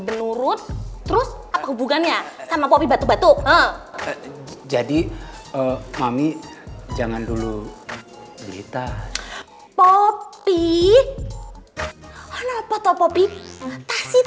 menurut terus apa hubungannya sama popi batu batu jadi mami jangan dulu kita popi